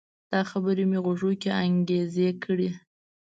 دا خبرې مې غوږو کې انګازې کړي